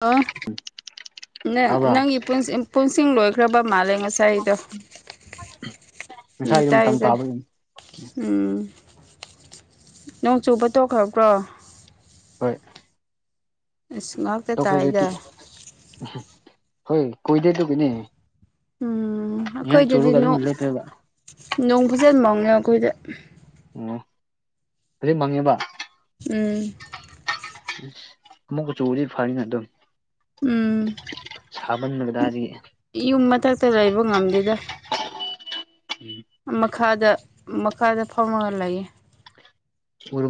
ꯑ ꯇꯥꯕ꯭ꯔꯥ ꯅꯪꯒꯤ ꯄꯨꯟꯁꯤꯡ ꯂꯣꯏꯈ꯭ꯔꯕ ꯃꯥꯜꯂꯦ ꯉꯁꯥꯏꯗꯣ ꯎꯝ ꯉꯁꯥꯗ ꯇꯥꯏ ꯃꯇꯝ ꯇꯥꯏ ꯇꯥꯕꯒꯤꯅꯤ ꯎꯝ ꯅꯣꯡ ꯆꯨꯕ ꯇꯣꯛꯈ꯭ꯔꯕ꯭ꯔꯣ ꯍꯣꯏ ꯏꯁꯃ ꯇꯣꯛꯖꯇ ꯍꯣꯏ ꯀꯣꯏꯗꯦ ꯇ ꯀꯅꯦ ꯎꯝ ꯌꯦ ꯑꯩꯈꯣꯏꯗꯗꯤ ꯆꯨꯔꯒ ꯑꯗꯨꯂ ꯇꯦꯕ ꯅꯣꯡ ꯐꯖꯟ ꯃꯅ ꯑꯩꯈꯣꯏꯗ ꯑꯣ ꯑꯗꯨꯔꯤ ꯃꯪꯉꯦꯕ ꯎꯝ ꯃꯨ ꯆꯔꯤ ꯐꯥꯔꯅ ꯑꯗꯨꯝ ꯎꯝ ꯁꯥꯕꯟꯕꯗꯥꯔꯗꯤ [inaudible] ꯌꯨꯝ ꯃꯊꯥꯛꯇ ꯂꯩꯕ ꯉꯝꯗꯦꯗ ꯎꯝ ꯃꯈꯥꯗ ꯃꯈꯥꯗ ꯐꯝꯃꯥꯒ ꯂꯩꯌꯦ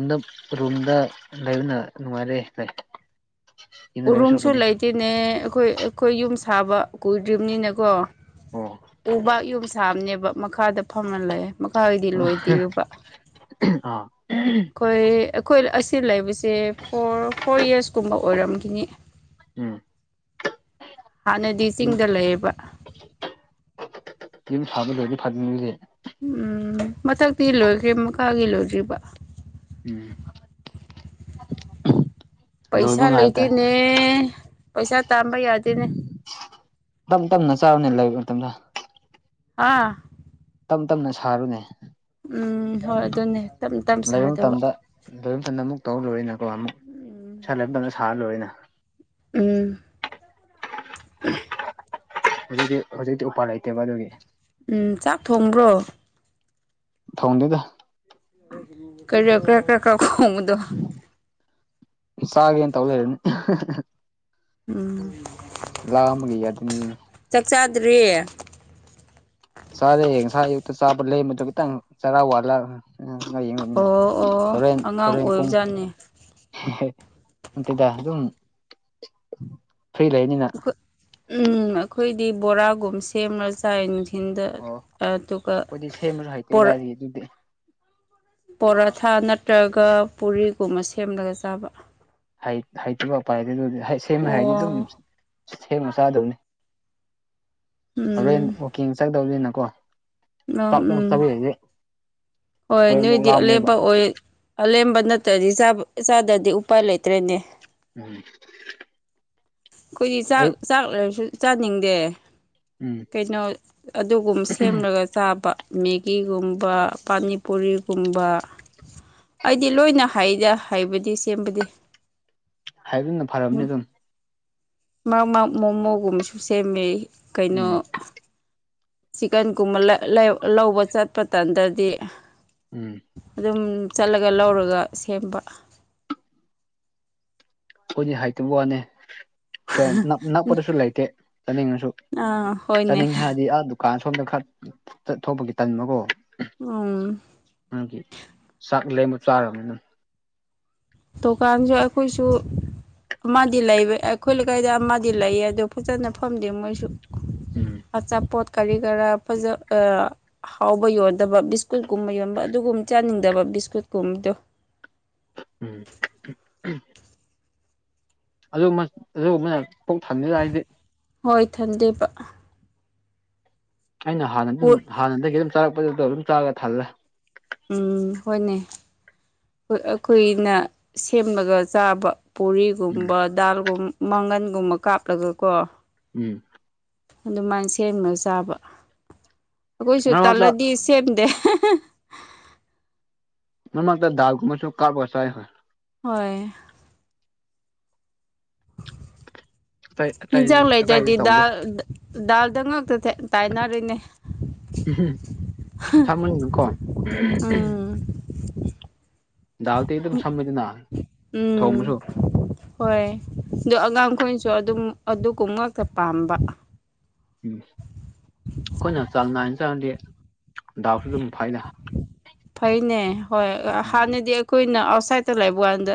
ꯗ ꯔꯨꯝꯗ ꯂꯩꯅ ꯅꯨꯡꯉꯥꯏꯔꯦ ꯍꯥꯏ ꯎꯔꯨꯝꯁꯨ ꯂꯩꯇꯦꯅꯦ ꯑꯩꯈꯣꯏ ꯑꯩꯈꯣꯏ ꯌꯨꯝ ꯁꯥꯕ ꯀꯨꯏꯗ꯭ꯔꯤꯕꯅꯤꯅꯦꯀꯣ ꯑꯣ ꯎꯕꯥꯛ ꯌꯨꯝꯁꯥꯝꯅꯦꯕ ꯃꯈꯥꯗ ꯐꯝꯍꯜꯂꯑꯦ ꯃꯈꯥꯗꯤ ꯂꯣꯏꯗ꯭ꯔꯨꯕ ꯑꯥ ꯑꯩꯈꯣꯏ ꯑꯩꯈꯣꯏ ꯑꯁꯤ ꯂꯩꯕꯁꯦ ꯐꯣꯔ ꯐꯣꯔ ꯌꯔꯁꯀꯨꯝꯕ ꯑꯣꯏꯔꯝꯈꯤꯅꯤ ꯎꯝ ꯍꯥꯟꯅꯗꯤ ꯆꯤꯡꯗ ꯂꯩꯌꯦꯕ ꯁꯕꯗꯤ ꯐꯇꯁꯦ [inaudible] [unintelligible] ꯎꯝ ꯃꯊꯛꯇꯤ ꯂꯣꯏꯈ꯭ꯔꯦ ꯃꯀꯥꯒꯤ ꯂꯣꯏꯗ꯭ꯔꯤꯕ ꯎꯝ ꯄꯩꯁꯥ ꯂꯣꯏꯕ ꯉꯥꯏꯕ ꯇꯥꯔꯦ ꯂꯩꯗꯦꯅꯦ ꯄꯩꯁꯥ ꯇꯥꯝꯕ ꯌꯥꯗꯦꯅꯦ ꯇꯞ ꯇꯞꯅ ꯆꯥꯕꯅꯦ ꯂꯩꯕ ꯃꯇꯝꯗ ꯑꯥ ꯇꯞ ꯇꯞꯅ ꯁꯥꯔꯨꯅꯦ ꯎꯝ ꯍꯣꯏ ꯑꯗꯨꯅꯦ ꯇꯞ ꯇꯞ ꯁꯥꯗꯧꯕ ꯑꯗꯨꯣꯏꯊꯟꯗ ꯑꯃꯨꯛ ꯇꯧ ꯂꯣꯏꯅ ꯀꯣ ꯑꯃꯨꯛ ꯏꯁꯥ ꯎꯝ ꯂꯩ ꯃꯇꯝꯗ ꯁꯥꯍꯜ ꯂꯣꯏꯅ ꯎꯝ ꯍꯧꯖꯤꯛꯇꯤ ꯍꯧꯖꯤꯛꯇꯤ ꯎꯄꯥꯜ ꯂꯩꯇꯦꯕ ꯑꯗꯨꯒꯤ ꯎꯝ ꯆꯥꯛ ꯊꯣꯡꯕ꯭ꯔꯣ ꯊꯥꯎꯗꯦꯗ ꯀꯣ ꯀ ꯀ ꯀ ꯀꯗꯣ ꯆꯥꯒꯦꯅ ꯇꯧ ꯂꯩꯔꯅꯤ ꯎꯝ ꯂꯥꯛꯑꯃꯒ ꯌꯥ ꯑꯗꯨꯅꯤ ꯑꯗꯨꯅꯤ ꯆꯥꯛ ꯆꯥꯗ꯭ꯔꯤꯌꯦ ꯆꯥꯔꯦ ꯍꯡꯁꯥ ꯌꯨꯛꯇ ꯆꯥꯕ ꯂꯩ ꯃꯗꯨ ꯈꯤꯇꯪ ꯆꯔꯥꯎ ꯋꯥꯠꯂ ꯎ ꯉꯥꯏ ꯌꯦꯡꯕꯅꯤꯅꯦ ꯑꯣ ꯑꯣ ꯍꯣꯔꯦꯟ ꯑꯉꯥꯡ ꯍꯣꯔꯦꯟ ꯄꯨꯡ ꯑꯣꯏꯕꯖꯥꯠꯅꯤ ꯑꯩꯈꯣꯏ ꯑꯗꯨꯠꯇꯗ ꯑꯗꯨꯝ ꯐ꯭ꯔꯤ ꯂꯩꯅꯤꯅ ꯎ ꯑꯩꯈꯣꯏꯗꯤ ꯕꯣꯔꯥꯒꯨꯝ ꯁꯦꯝꯅ ꯆꯥꯏ ꯊꯤꯟꯗ ꯑꯣ ꯑꯗꯨꯒꯣꯔꯛ ꯑꯗꯨꯗ ꯄꯣꯔꯥꯊꯥ ꯅꯠꯇ꯭ꯔꯒ ꯄꯨꯔꯤꯒꯨꯝꯕ ꯁꯦꯝꯂꯒ ꯆꯥꯕ ꯍꯥꯏꯩꯇꯕꯄꯥꯏꯗ ꯑꯗꯨ ꯁꯦꯝꯃꯦ ꯍꯥꯏꯗꯤ ꯑꯗꯨꯝ ꯑꯣ ꯁꯦꯝꯃ ꯆꯥꯗꯕꯅꯤ ꯍꯣꯔꯦꯟ ꯎꯝ ꯋꯀꯤꯡ ꯆꯪꯗꯧꯅꯤꯅꯀꯣ ꯅꯪ ꯆꯥꯎ ꯆ ꯎꯝ ꯍꯣꯏ ꯅꯣꯏꯗꯤ ꯑꯂꯦꯝꯦꯝꯕ ꯑꯣꯏ ꯑꯂꯦꯝꯦꯝꯕ ꯅꯠꯇ꯭ꯔꯗꯤ ꯆꯥꯗ꯭ꯔꯗꯤ ꯎꯄꯥꯏ ꯂꯩꯇ꯭ꯔꯦꯅꯦ ꯎ ꯑꯩꯈꯣꯏꯗꯤ ꯆꯥꯛ ꯆꯥꯛ ꯂꯩꯔꯁꯨ ꯆꯥꯅꯤꯡꯗꯦ ꯎꯝ ꯀꯩꯅꯣ ꯑꯗꯨꯒꯨꯝ ꯁꯦꯝꯔꯒ ꯆꯥꯕ ꯃꯦꯒꯤꯒꯨꯝꯕ ꯄꯅꯤꯄꯔꯤꯒꯨꯝꯕ ꯑꯩꯗꯤ ꯂꯣꯏꯅ ꯍꯥꯏꯗ ꯍꯩꯕꯗꯤ ꯁꯦꯝꯕꯗꯤ ꯍꯥꯏꯗꯨꯅ ꯐꯔꯕꯅꯤꯗ ꯃꯔꯛ ꯃꯔꯛꯃꯣꯃꯣꯒꯨꯝꯕꯁꯨ ꯁꯦꯝꯃꯦ ꯀꯩꯅꯣ ꯎꯝ ꯆꯤꯛꯀꯟꯒꯨꯝꯕ ꯂꯩ ꯂꯧꯕ ꯆꯠꯄ ꯇꯥꯟꯗ꯭ꯔꯗꯤ ꯎꯝ ꯑꯗꯨꯝ ꯆꯠꯂꯒ ꯂꯧꯔꯒ ꯁꯦꯝꯕ ꯑꯩꯈꯣꯏꯗꯤ ꯍꯥꯏꯇꯕ ꯋꯥꯅꯦ ꯁ ꯅꯛꯄꯗꯁꯨ ꯂꯩꯇꯦ ꯆꯥꯅꯤꯡꯉꯁꯨ ꯑꯥ ꯍꯣꯏꯅꯦ ꯆꯥꯅꯤꯡꯉꯦ ꯍꯥꯏꯔꯗꯤ ꯑꯥ ꯀꯥꯟ ꯁꯣꯝꯗ ꯈꯔ ꯆꯠꯊꯣꯛꯄꯒꯤ ꯇꯟꯃꯀꯣ ꯎꯝ ꯅꯒꯤ ꯆꯥꯛ ꯂꯩꯦꯝꯕ ꯆꯥꯔꯕꯅꯤꯅ ꯇ ꯀꯥꯟꯖ ꯑꯩꯈꯣꯏꯁꯨ ꯑꯃꯗꯤ ꯂꯩꯕ ꯑꯩꯈꯣꯏ ꯂꯩꯀꯥꯏꯗ ꯑꯃꯗꯤ ꯂꯩꯌꯦ ꯑꯗꯣ ꯐꯖꯅ ꯐꯝꯗꯦ ꯃꯣꯏꯁꯨ ꯎꯝ ꯑꯆꯥꯄꯣꯠ ꯀꯔꯤ ꯀꯔꯥ ꯐꯖ ꯍꯥꯎꯕ ꯌꯣꯟꯗꯕ ꯕꯤꯁꯀꯨꯠꯀꯨꯝꯕ ꯌꯣꯟꯕ ꯑꯗꯨꯒꯨꯝ ꯆꯥꯅꯤꯡꯗꯕ ꯕꯤꯁꯀꯨꯠꯀꯨꯝꯕꯗꯣ ꯎꯝ ꯑꯗꯨꯃꯛ ꯑꯗꯨ ꯄꯨꯛꯛ ꯊꯝꯅꯤ ꯍꯥꯏꯗꯤ ꯍꯣꯏ ꯊꯟꯗꯦꯕ ꯑꯩꯅ ꯍꯥꯟꯅ ꯑꯗꯨꯝ ꯍꯥꯟꯅꯗꯒꯤ ꯑꯗꯨꯝ ꯆꯥꯔꯛꯄꯗꯨꯗꯣ ꯑꯗꯨꯝ ꯆꯥꯔꯒ ꯊꯜꯂꯦ ꯎꯝ ꯍꯣꯏꯅꯦ ꯍꯣꯏ ꯑꯩꯈꯣꯏꯅ ꯁꯦꯝꯃꯒ ꯆꯥꯕ ꯎꯝ ꯄꯨꯔꯤꯒꯨꯝꯕ ꯗꯥꯜꯒꯨꯝ ꯃꯪꯒꯟꯒꯨꯝꯕ ꯀꯥꯞꯂꯒꯀꯣ ꯎꯝ ꯑꯗꯨꯃꯥꯏꯅ ꯁꯦꯝꯅ ꯆꯥꯕ ꯑꯩꯈꯣꯏꯁꯨ ꯃꯔꯛ ꯃꯔꯛꯇ ꯇꯜꯂꯗꯤ ꯁꯦꯝꯗꯦ ꯃꯥꯃꯡꯗꯥꯜꯒꯣꯝꯕꯁꯨ ꯀꯥꯕꯁꯥꯏ ꯍꯣꯏ ꯍꯣꯏ ꯑꯇꯩ ꯑꯇꯩꯗꯤ ꯍꯤꯟꯖꯥꯛ ꯑꯇꯩꯗꯤ ꯂꯩꯇ꯭ꯔꯗꯤ ꯇꯧꯗꯦ ꯗꯥꯜ ꯗꯥꯜꯗ ꯉꯥꯛꯇ ꯇꯥꯏꯅꯔꯤꯅꯦ ꯊꯝꯟ ꯅꯀꯣ ꯎꯝ ꯗꯥꯎꯇꯤ ꯑꯗꯨꯝ ꯁꯝꯃꯤꯗꯅ ꯎꯝ ꯊꯣꯡꯉꯁꯨ ꯍꯣꯏ ꯑꯗꯨ ꯑꯉꯥꯡꯈꯣꯏꯁꯨ ꯑꯗꯨꯝ ꯑꯗꯨ ꯀꯨꯝ ꯉꯛꯇ ꯄꯥꯝꯕ ꯎꯝ ꯑꯩꯈꯣꯏꯅ ꯆꯥꯡ ꯅꯥꯏꯅ ꯆꯥꯔꯗꯤ ꯗꯥꯎꯁꯨ ꯑꯗꯨꯝ ꯐꯩꯗ ꯐꯩꯅꯦ ꯍꯣꯏ ꯎꯝ ꯍꯥꯟꯅꯗꯤ ꯑꯩ ꯑꯩꯈꯣꯏꯅ ꯑꯥꯎꯠꯁꯥꯏꯠꯇ ꯂꯩꯕ ꯀꯥꯟꯗ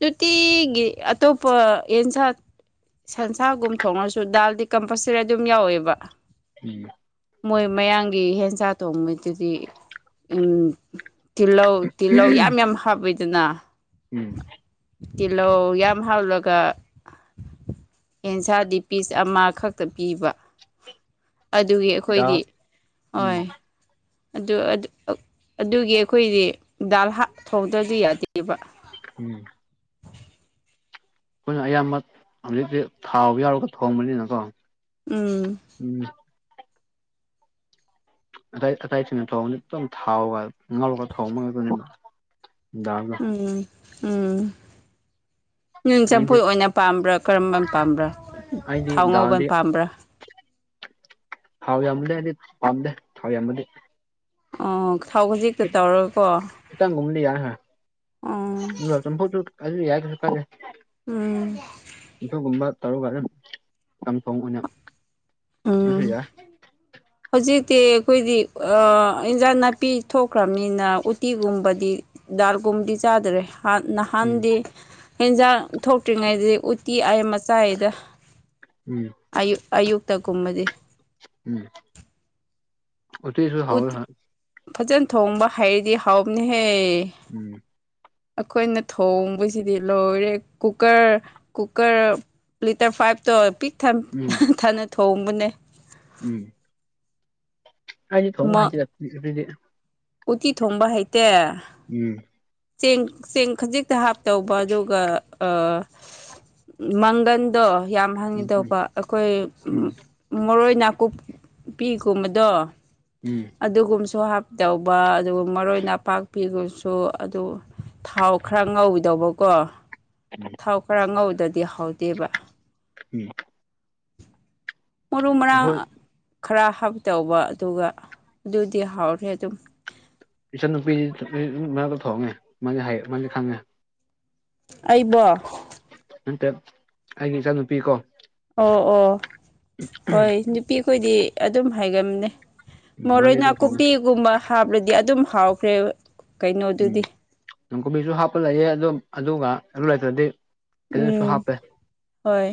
ꯅꯨꯡꯇꯤꯒꯤ ꯑꯇꯣꯞꯄ ꯌꯦꯟꯁꯥꯡ ꯁꯟꯁꯥꯒꯨꯝ ꯊꯣꯡꯉꯁꯨ ꯗꯥꯜꯗꯤ ꯀꯝꯄꯜꯁꯔꯤ ꯑꯗꯨꯝ ꯌꯥꯎꯌꯦꯕ ꯎꯝ ꯃꯣꯏ ꯃꯌꯥꯡꯒꯤ ꯍꯦꯟꯖꯥ ꯊꯣꯡꯕꯗꯨꯗꯤ ꯎꯝ ꯇꯤꯜꯍꯧ ꯇꯤꯜꯍꯧ ꯌꯥꯝ ꯌꯥꯝ ꯍꯥꯞꯄꯤꯗꯅ ꯎꯝ ꯇꯤꯜꯂꯧ ꯌꯥꯝ ꯍꯥꯎꯂꯒ ꯑꯦꯟꯁꯥꯗꯤ ꯄꯤꯁ ꯑꯃꯈꯛꯇ ꯄꯤꯕ ꯑꯗꯨꯒꯤ ꯗꯥꯜ ꯑꯩꯈꯣꯏꯗꯤ ꯎꯝ ꯍꯣꯏ ꯑꯗꯨ ꯑꯗꯨꯒꯤ ꯑꯩꯈꯣꯏꯗꯤ ꯗꯥꯜ ꯊꯣꯡꯗ꯭ꯔꯗꯤ ꯌꯥꯗꯦꯕ ꯎꯝ ꯑꯩꯈꯣꯏꯅ ꯑꯌꯥꯝꯕ ꯍꯧꯖꯤꯛꯇꯤ ꯊꯥꯎ ꯌꯥꯎꯔꯒ ꯊꯣꯡꯕꯅꯤꯅꯀꯣ ꯎꯝ ꯎꯝ ꯑꯗꯥꯏ ꯑꯗꯥꯏ ꯊꯨꯅ ꯋꯣꯡꯒꯗꯤ ꯈꯤꯇꯪ ꯊꯥꯎꯒ ꯉꯥꯎꯔꯒ ꯊꯣꯡꯕꯅꯤ ꯑꯩꯈꯣꯏꯗꯤ ꯅꯨꯡꯗꯥꯡ ꯎꯝ ꯎꯝ ꯅ ꯆꯝꯐꯨ ꯑꯩꯗꯤ ꯑꯣꯏꯅ ꯄꯥꯝꯕ꯭ꯔꯥ ꯀꯔꯝꯕ ꯄꯥꯝꯕ꯭ꯔꯥ ꯑꯩꯗꯤ ꯊꯥꯎ ꯉꯧꯕ ꯗꯥꯜꯗꯤ ꯄꯥꯝꯕ꯭ꯔꯥ ꯊꯥꯎ ꯌꯥꯝ ꯂꯦꯑꯗꯤ ꯄꯥꯝꯗꯦ ꯊꯥꯎ ꯌꯥꯝꯃꯗꯤ ꯑꯣ ꯊꯥꯎ ꯈꯖꯤꯛꯇ ꯇꯧꯔꯒꯀꯣ ꯏꯈꯤꯇꯪꯒꯨꯝꯗꯤ ꯌꯥꯏꯍꯦ ꯑꯣ ꯑꯗꯣ ꯆꯝꯐꯨꯠꯁꯨ ꯑꯗꯨ ꯌꯥꯏ ꯀꯩꯁꯨ ꯀꯥꯏꯗꯦ ꯎꯝ ꯑꯗꯨꯒꯨꯝꯕ ꯇꯧꯔꯒ ꯑꯗꯨꯝ ꯁꯟ ꯊꯣꯡꯕꯅꯦ ꯑꯗꯨꯁꯨ ꯎꯝ ꯌꯥꯏ [inaudible] ꯍꯧꯖꯤꯛꯇꯤ ꯑꯩꯈꯣꯏꯗꯤ ꯑ ꯏꯟꯖꯥꯡ ꯅꯥꯄꯤ ꯊꯣꯛꯈ꯭ꯔꯃꯤꯅ ꯎꯇꯤꯒꯨꯝꯕꯗꯤ ꯗꯥꯜꯒꯨꯝꯗꯤ ꯆꯥꯗ꯭ꯔꯦ ꯎꯝ ꯅꯍꯥꯟꯗꯤ ꯍꯦꯟꯖꯥꯡ ꯊꯣꯛꯇ꯭ꯔꯤꯉꯩꯗ ꯎꯇꯤ ꯑꯥꯏꯌꯝꯕ ꯆꯥꯥꯏꯗ ꯎꯝ ꯑꯌꯨꯛ ꯑꯌꯨꯛꯇꯒꯨꯝꯕꯗꯤ ꯎꯝ ꯎꯊꯣꯏꯁꯨ ꯍꯥꯎꯏ ꯎꯇꯤ ꯍꯥꯎ ꯐꯖꯅ ꯊꯣꯡꯕ ꯍꯩꯔꯗꯤ ꯍꯥꯎꯕꯅꯤꯍꯦ ꯎꯝ ꯑꯩꯈꯣꯏꯅ ꯊꯣꯡꯕꯁꯤꯗꯤ ꯂꯣꯏꯔꯦ ꯀꯨꯀꯔ ꯀꯨꯀꯔ ꯂꯤꯇꯔ ꯐꯥꯏꯚꯇꯣ ꯄꯤꯛ ꯊꯝ ꯎꯝ ꯊꯥꯟꯅ ꯊꯣꯡꯕꯅꯦ ꯎꯝ ꯑꯩ ꯊꯣꯡ ꯍꯥꯏꯗꯤ ꯎꯇꯤ ꯊꯣꯡꯕ ꯍꯩꯇꯦ ꯎꯝ ꯆꯦꯡ ꯆꯦꯡ ꯈꯖꯤꯛꯇ ꯍꯥꯞꯇꯧꯕ ꯑꯗꯨꯒ ꯑ ꯃꯪꯒꯟꯗꯣ ꯌꯥꯝ ꯍꯪꯉꯤ ꯎꯝ ꯎꯝ ꯇꯧꯕ ꯑꯩꯈꯣꯏ ꯎꯝ ꯎꯝ ꯃꯔꯣꯏ ꯅꯥꯀꯨꯞꯄꯤꯒꯨꯝꯕꯗꯣ ꯎꯝ ꯑꯗꯨꯒꯨꯝꯕꯁꯨ ꯍꯥꯞꯇꯧꯕ ꯑꯗꯨꯒ ꯃꯔꯣꯏ ꯅꯥꯄꯥꯛꯄꯤꯒꯨꯁꯨ ꯑꯗꯨ ꯊꯥꯎ ꯈꯔ ꯉꯧꯒꯤꯗꯧꯕꯀꯣ [inaudible] ꯊꯥꯎ ꯈꯔ ꯉꯧꯗꯗꯤ ꯍꯧꯥꯎꯗꯦꯕ [unintelligible] ꯃꯔꯨ ꯃꯔꯥꯡ ꯑꯩꯈꯣꯏ ꯈꯔ ꯍꯥꯞꯇꯧꯕ ꯑꯗꯨꯒ ꯑꯗꯨꯗꯤ ꯍꯥꯎꯔꯦ ꯑꯗꯨꯝ ꯏꯆꯟ ꯅꯨꯄꯤ [unintelligible] ꯏꯃꯥꯒ ꯊꯣꯡꯉꯦ ꯃꯥꯗꯤ ꯍꯩ ꯃꯥꯗꯤ ꯈꯪꯉꯦ ꯑꯩꯕꯣ ꯅꯠꯇꯦ ꯑꯩꯒꯤ ꯏꯆꯟꯅꯨꯄꯤ ꯀꯣ ꯑꯣ ꯑꯣ ꯍꯣꯏ ꯅꯨꯄꯤꯈꯣꯏꯗꯤ ꯑꯗꯨꯝ ꯍꯥꯏꯒꯥꯟꯕꯅꯦ ꯎꯝ ꯃꯔꯣꯏ ꯃꯥꯗꯤ ꯑꯗꯨꯝ ꯊꯣꯡꯉꯦ ꯅꯥꯀꯨꯞꯄꯤꯒꯨꯝꯕ ꯍꯥꯞꯂꯗꯤ ꯑꯗꯨꯝ ꯍꯥꯎꯈ꯭ꯔꯦꯕ ꯀꯩꯅꯣꯗꯨꯗꯤ ꯅꯥꯀꯨꯞꯄꯤꯁꯨ ꯍꯥꯞꯄ ꯂꯩꯌꯦ ꯑꯗꯨ ꯑꯗꯨꯒ ꯑꯗꯨ ꯂꯩꯇ꯭ꯔꯗꯤ ꯀꯩꯅꯣꯁꯨ ꯎꯝ ꯍꯥꯞꯄꯦ ꯍꯣꯏ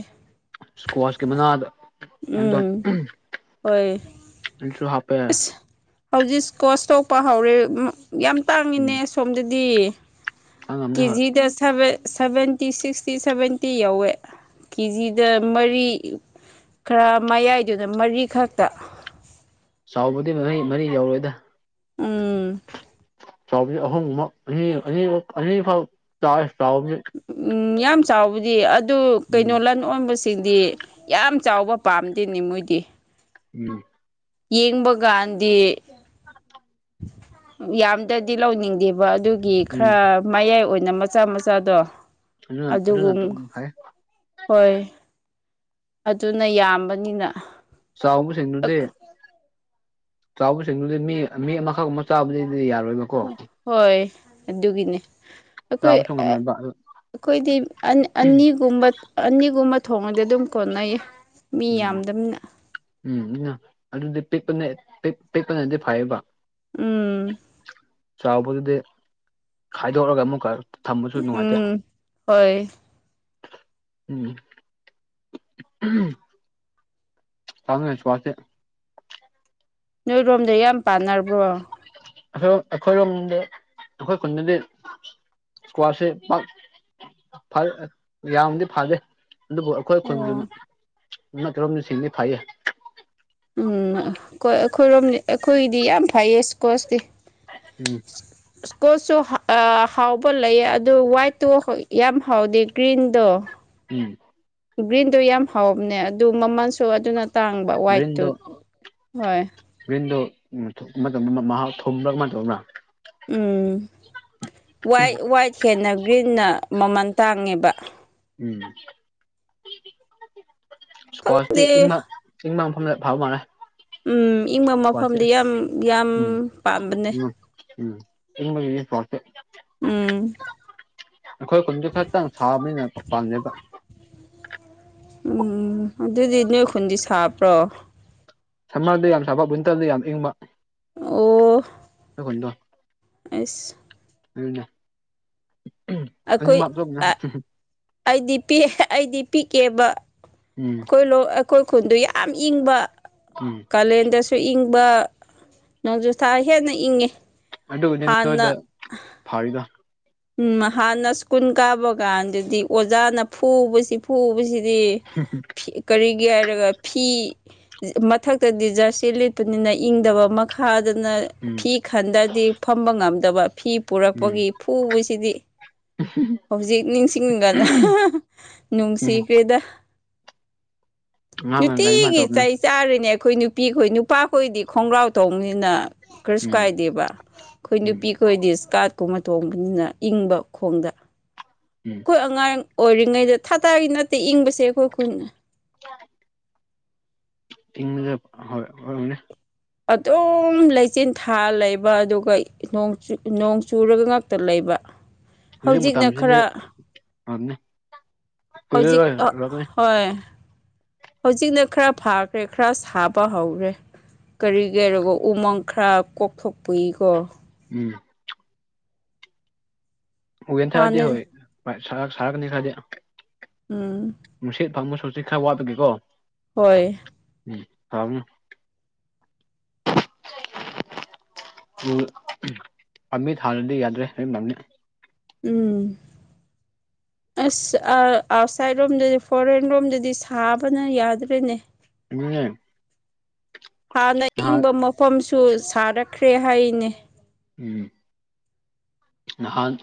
ꯏꯁꯀ꯭ꯋꯥꯁꯀꯤ ꯃꯅꯥꯗꫭ ꯀꯅꫭ ꯇꯧ ꯎꯝ ꯍꯣꯏ ꯎꯝ [unintelligible] ꯍꯥꯞꯄꯦ ꯑꯁ ꯍꯧꯖꯤꯛ ꯏꯁꯀ꯭ꯋꯥꯁ ꯊꯣꯛꯄ ꯍꯧꯔꯦ ꯌꯥꯝ ꯇꯥꯡꯉꯤꯅꯦ ꯎꯝ ꯑꯁꯣꯝꯗꯗꯤ ꯈꯪꯉꯝꯅꯤ ꯍꯣꯏ ꯀꯦꯖꯤꯗ ꯁꯚꯦ ꯁꯚꯦꯟ ꯇꯤ ꯁꯤꯛꯁꯇꯤ ꯁꯚꯦꯟꯇꯤ ꯌꯧꯋꯦ ꯀꯦꯖꯤꯗ ꯃꯔꯤ ꯈꯔ ꯃꯌꯥꯏꯗꯨꯅ ꯃꯔꯤꯈꯛꯇ ꯆꯥꯎꯕꯗꯤ ꯃꯔꯩ ꯃꯔꯤ ꯌꯧꯔꯣꯏꯗ ꯎꯝ ꯆꯥꯎꯕꯅꯤ ꯑꯍꯨꯝꯃꯛ ꯑꯅꯤ ꯑꯅꯤ ꯑꯅꯤ ꯐꯥꯎ ꯆꯥꯎꯋꯦ ꯆꯥꯎꯕꯗꯤ ꯎꯝ ꯌꯥꯝ ꯆꯥꯎꯕꯗꯤ ꯑꯗꯨ ꯀꯩꯅꯣ ꯎꯝ ꯂꯟ ꯑꯣꯟꯕꯁ ꯁꯤꯡꯗꯤ ꯌꯥꯝ ꯆꯥꯎꯕ ꯄꯥꯝꯗꯦꯅꯦ ꯃꯣꯏꯗꯤ ꯎꯝ ꯌꯦꯡꯕ ꯀꯥꯟꯗꯤ ꯌꯥꯝꯗꯗꯤ ꯂꯧꯅꯤꯡꯗꯦꯕ ꯑꯗꯨ ꯒꯤ ꯎꯝ ꯈꯔ ꯃꯌꯥꯏ ꯑꯣꯏꯅ ꯃꯆꯥ ꯃꯆꯥꯗꯣ ꯑꯗꯨꯅ ꯑꯗꯨꯅ ꯑꯗꯨꯒꯨꯝ ꯐꯩ ꯍꯣꯏ ꯑꯗꯨꯅ ꯌꯥꯝꯕꯅꯤꯅ ꯆꯥꯎꯕ ꯁꯤꯡꯗꯨꯗꯤ ꯆꯥꯎꯕꯁꯤꯡꯗꯨꯗꯤ ꯃꯤ ꯃꯤ ꯑꯃꯈꯛ ꯑꯃ ꯆꯥꯕꯗꯗꯤ ꯌꯥꯔꯣꯏꯕ ꯍꯣꯏ ꯑꯗꯨꯒꯤꯅꯦ ꯑꯩꯈꯣꯏ ꯆꯥꯕꯁꯨ ꯑꯥ ꯉꯝꯂꯣꯏꯕ ꯑꯗꯨ ꯑꯩꯈꯣꯏꯗꯤ ꯑꯅꯤꯒꯨꯝꯕ ꯑꯅꯤꯒꯨꯝꯕ ꯊꯣꯡꯉꯗꯤ ꯑꯗꯨꯝ ꯀꯣꯟꯅꯩꯌꯦ ꯃꯤ ꯎꯝ ꯌꯥꯝꯗꯝꯅꯤꯅ ꯎꯝ ꯃꯤꯅ ꯑꯗꯨꯗꯤ ꯄꯤꯛꯄꯅꯦ ꯄꯤꯛꯄꯅꯗꯤ ꯐꯩꯌꯦꯕ ꯎꯝ ꯆꯥꯎꯕꯗꯨꯗꯤ ꯈꯥꯏꯗꯣꯛꯂꯒ ꯑꯃꯨꯛꯀ ꯊꯝꯕꯁꯨ ꯅꯨꯡꯉꯥꯏꯇꯦ ꯎꯝ ꯍꯣꯏ ꯎꯝ [unintelligible] [unintelligible] ꯏꯁꯀ꯭ꯋꯥꯁꯇꯤ ꯅꯣꯏꯔꯣꯝꯗ ꯌꯥꯝ ꯄꯥꯟꯅꯔꯕ꯭ꯔꯣ ꯑꯗꯣ ꯑꯩꯈꯣꯏꯔꯣꯝꯗ ꯑꯩꯈꯣꯏ ꯈꯨꯟꯗꯗꯤ ꯏꯁꯀ꯭ꯋꯥꯁꯦ ꯄꯥꯛ ꯐꯔ ꯌꯥꯝꯗꯤ ꯐꯗꯦ ꯑꯗꯨꯕꯨ ꯑꯩꯈꯣꯏ ꯈꯨꯟꯒꯤ ꯅꯠꯇꯔꯣꯝꯁꯤꯡꯗꯤ ꯐꯩꯌꯦ ꯎꯝ ꯑꯩꯈꯣꯏ ꯑꯩꯈꯣꯏꯔꯣꯝꯗꯤ ꯑꯩꯈꯣꯏꯗꯤ ꯌꯥꯝ ꯐꯩꯌꯦ ꯏꯁꯀ꯭ꯋꯥꯁꯇꯤ ꯎꯝ ꯑꯁ [unintelligible] ꯀꯣꯠꯁꯨ ꯍꯥꯎꯕ ꯂꯩ ꯑꯗꯨ ꯋꯥꯏꯠꯇꯣ ꯌꯥꯝ ꯍꯥꯎꯗꯦ ꯒ꯭ꯔꯤꯟꯗꯣ ꯎꯝ ꯒ꯭ꯔꯤꯟꯗꯣ ꯌꯥꯝ ꯍꯥꯎꯕꯅꯦ ꯑꯗꯨ ꯃꯃꯜꯁꯨ ꯑꯗꯨꯅ ꯇꯥꯡꯕ ꯒ꯭ꯔꯤꯟꯗꯣ ꯋꯥꯏꯠꯇꯨ ꯍꯣꯏ ꯒ꯭ꯔꯤꯟꯗꯣ ꯃꯍꯥꯎ ꯊꯨꯝꯕ꯭ꯔꯥ ꯀꯃꯥꯏ ꯇꯧꯕꯔꯥ ꯎꯝ ꯋꯥꯏꯠ ꯋꯥꯏꯠ ꯍꯦꯟꯅ ꯒ꯭ꯔꯤꯟꯅ ꯃꯃꯜ ꯇꯥꯡꯉꯦꯕ [inaudible] ꯏꯁꯀ꯭ꯋꯥꯁꯇꯤ ꯈꯪꯗꯦ ꯏꯪꯕ ꯏꯪꯕ ꯃꯐꯝꯗ ꯐꯕ ꯃꯥꯥꯟꯂꯦ ꯎꯝ ꯏꯪꯕ ꯃꯐꯝꯗꯤ ꯌꯥꯝ ꯌꯥꯝ ꯄꯥꯝꯕꯅꯦ ꯏꯪꯕꯒꯤꯗꯤ ꯏꯁꯀ꯭ꯋꯥꯁꯁꯦ ꯎꯝ ꯑꯩꯈꯣꯏ ꯈꯨꯟꯗꯨ ꯈꯛꯇꯪ ꯁꯥꯕꯅꯤꯅ ꯄꯥꯟꯗꯦꯕ ꯎꯝ ꯑꯗꯨꯗꯤ ꯅꯣꯏ ꯈꯨꯨꯟꯗꯤ ꯁꯥꯕ꯭ꯔꯣ ꯁꯝꯃꯔꯗ ꯌꯥꯝ ꯁꯥꯕ ꯋꯤꯟꯇꯔꯗ ꯌꯥꯝ ꯏꯪꯕ ꯑꯣ ꯑꯈꯣꯏ ꯈꯨꯟꯗꯣ ꯑꯩꯁ ꯑꯗꯨꯅꯦ ꯑꯩꯈꯣꯏ ꯑꯅꯤꯃꯛ ꯇꯧꯕꯅꯦ [unintelligible] ꯑꯩꯗꯤ ꯄꯤꯛ ꯑꯩꯗꯤ ꯄꯤꯛꯑꯦꯕ ꯎꯝ ꯑꯩꯈꯣꯏ ꯂꯣꯛ ꯑꯩꯈꯣꯏ ꯈꯨꯟꯗꯨ ꯌꯥꯝ ꯏꯪꯕ ꯎꯝ ꯀꯥꯂꯦꯟꯗꯁꯨ ꯏꯪꯕ ꯅꯣꯡꯖꯨꯊꯥ ꯍꯦꯟꯅ ꯏꯪꯉꯦ ꯑꯗꯨꯒꯤꯅꯦ ꯅꯣꯏꯗ ꯍꯥꯟꯅ ꯐꯔꯤꯗꯣ ꯎꯝ ꯍꯥꯟꯅ ꯁ꯭ꯀꯨꯜ ꯀꯥꯕ ꯀꯥꯟꯗꯗꯤ ꯑꯣꯖꯥꯅ ꯐꯨꯕꯁꯤ ꯐꯨꯕꯁꯤꯗꯤ ꯍꯝ ꯍꯨꯝ ꯀꯔꯤꯒꯤ ꯍꯥꯏꯔꯒ ꯐꯤ ꯃꯊꯛꯇꯗꯤ ꯖꯔꯁꯤ ꯂꯤꯠꯄꯅꯤꯅ ꯏꯪꯗꯕ ꯃꯈꯥꯗꯅ ꯎꯝ ꯐꯤ ꯈꯟꯗꯗꯤ ꯐꯝꯕ ꯉꯝꯗꯕ ꯐꯤ ꯄꯨꯔꯛꯄꯒꯤ ꯐꯨꯕꯁꯤꯗꯤ ꯎꯍꯝ ꯍꯝ ꯍꯧꯖꯤꯛ ꯅꯤꯡꯁꯤꯡ ꯀꯥꯟꯗ ꯎꯝ ꯅꯨꯡꯁꯤꯈ꯭ꯔꯦꯗ ꯉꯥꯏꯍꯥꯛꯅ ꯒꯥꯔꯤ ꯃꯥ ꯅꯨꯇꯤꯒꯤ ꯇꯧꯕꯅꯤ ꯆꯩ ꯆꯥꯔꯤꯅꯦ ꯑꯩꯈꯣꯏ ꯅꯨꯄꯤꯈꯣꯏ ꯅꯨꯄꯥꯈꯣꯏꯗꯤ ꯈꯣꯡꯒ꯭ꯔꯥꯎ ꯇꯧꯕꯅꯤꯅ ꯀꯔꯤꯁꯨ ꯎꯝ ꯀꯥꯏꯗꯦꯕ ꯑꯩꯈꯣꯏ ꯎꯝ ꯅꯨꯄꯤ ꯈꯣꯏꯗꯤ ꯏꯁꯀꯥꯔꯠꯀꯨꯝꯕ ꯇꯣꯡꯕꯅꯤꯅ ꯏꯪꯕ ꯈꯣꯡꯗ ꯎꯝ ꯑꯩꯈꯣꯏ ꯑꯉꯥꯡ ꯑꯣꯏꯔꯤꯉꯩꯗ ꯊꯊꯥꯒꯤ ꯅꯠꯇꯦ ꯏꯪꯕꯁꯦ ꯑꯩꯈꯣꯏ ꯈꯨꯟꯅ ꯌꯥ [unintelligible] [unintelligible] ꯗꯨꯝ ꯂꯩꯆꯤꯟ ꯊꯥ ꯂꯩꯕ ꯑꯗꯨꯒ ꯅꯣꯡ ꯅꯣꯡ ꯆꯨꯔꯒ ꯉꯥꯛꯇ ꯂꯩꯕ ꯍꯧꯖꯤꯛꯅ ꯈꯔ [unintelligible] ꯍꯧꯖꯤꯛ ꯀꯨꯢꯔꯔꯣꯢ [unintelligible] ꯍꯣꯏ ꯍꯧꯖꯤꯛꯅ ꯈꯔ ꯐꯈ꯭ꯔꯦ ꯈꯔ ꯁꯥꯕ ꯍꯧꯈꯔꯦ ꯀꯔꯤ ꯍꯥꯢꯔꯒ ꯎꯃꯪ ꯈꯔ ꯀꯣꯛꯊꯣꯛꯄꯒꯤꯀꯣ ꯎꯝ ꯥꯎ ꯌꯥꯟꯊꯔꯗꯤ ꯍꯥꯟꯅ ꯍꯣꯏ ꯁꯥ ꯁꯥꯔꯛ ꯁꯥꯔꯒꯅꯤ ꯈꯔꯗꯤ ꯎꯝ ꯅꯨꯡꯁꯤꯠ ꯐꯪꯕꯁꯨ ꯍꯧꯖꯤꯛ ꯈꯔ ꯋꯥꯠꯄꯒꯤꯀꯣ ꯍꯣꯏ ꯎꯝ ꯐꯝ ꯑꯗꯨ ꯄꯥꯝꯕꯤ ꯊꯥꯗꯗꯤ ꯌꯥꯗ꯭ꯔꯦ [unintelligible] ꯅꯤ ꯎꯝ ꯑꯁ ꯑꯥꯎꯠꯁꯥꯏꯠ ꯔꯣꯝꯗꯗꯤ ꯐꯣꯔꯦꯟ ꯔꯣꯝꯗꯗꯤ ꯁꯥꯕꯅ ꯌꯥꯗ꯭ꯔꯦꯅꯦ ꯎꯝ [unintelligible] ꯍꯥꯟꯅ ꯏꯪꯕ ꯃꯐꯝꯁꯨ ꯁꯥꯔꯛꯈ꯭ꯔꯦ ꯍꯥꯏꯅ‌ꯦ ꯎꯝ ꯅꯍꯥꯟ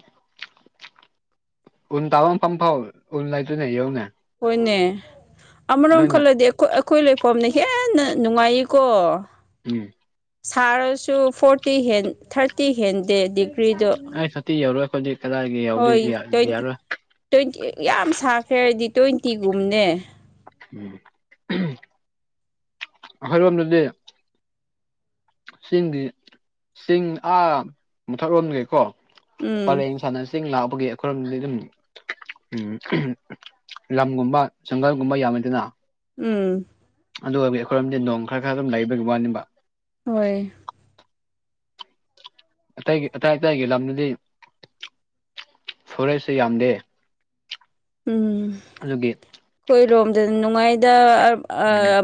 ꯎꯟ ꯇꯥꯕ ꯃꯐꯝ ꯐꯥꯎ ꯎꯟ ꯂꯩꯇꯣꯏꯅꯦ ꯌ‌ꯦꯡꯉꯨꯅ‌ꯦ ꯍꯣꯏꯅꯦ ꯑꯃꯔꯣꯝ ꯈꯜꯂꯗꯤ ꯑꯩꯈꯣꯏ ꯂꯩꯐꯝꯅ ꯍꯦꯟꯅ ꯅꯨꯡꯉꯥꯏꯌꯦꯀꯣ ꯎꯝ ꯁꯥꯔꯁꯨ ꯐꯣꯔꯇꯤ ꯍꯦꯟ ꯊꯥꯔꯇꯤ ꯍꯦꯟꯗꯦ ꯗꯤꯒ꯭ꯔꯤꯗꯣ ꯊꯥꯔꯇꯤ ꯌꯧꯔꯣꯏ ꯈꯣꯏꯗꯤ ꯀꯗꯥꯏꯒꯤ ꯌꯧꯗꯤ ꯍꯣꯏ ꯇ꯭ꯋꯦꯟꯇꯤ ꯌꯥꯔꯣꯏ ꯌꯥꯝ ꯁꯥꯈ꯭ꯔꯦ ꯑꯩꯗꯤ ꯇ꯭ꯋꯦꯟꯇꯤꯒꯨꯝꯅꯦ ꯎꯝ ꯑꫭꯏꯔꯝꯗ꯭ꯔꯗꯤ ꯆꯤꯡꯗꯤ ꯆꯤꯡ ꯑꯥ ꯃꯥꯊꯛ ꯔꯣꯝꯗꯒꯤꯀꯣ ꯎꯝ ꯄꯔꯦꯡ ꯁꯥꯟꯅꯁꯤꯡ ꯂꯥꯛꯄꯒꯤ ꯑꯩꯈꯣꯏꯝꯗꯤ ꯑꯗꯨꯝ ꯎꯝ ꯂꯝꯒꯨꯝꯕ ꯖꯪꯒꯜꯒꯨꯝꯕ ꯌꯥꯝꯃꯤꯗꯅ ꯎꯝ ꯑꯗꯨ ꯑꯣꯏꯕꯗꯤ ꯑꯩꯈꯣꯏꯔꯝꯗꯤ ꯅꯣꯡ ꯈꯔ ꯈꯔ ꯑꯗꯨꯝ ꯂꯩꯕꯒꯤ ꯋꯥꯅꯤꯕ [inaudible] ꯑꯇꯩꯒꯤ ꯑꯇꯩ ꯑꯇꯩꯒꯤ ꯂꯝꯗꯗꯤ ꯐꯣꯔꯦꯁꯁꯦ ꯌꯥꯝꯗꯦ ꯎꯝ ꯑꯗꯨꯒꯤ ꯈꯣꯏ ꯔꯣꯝꯗ ꯅꯨꯡꯉꯥꯏꯗ.... ꯎꯝ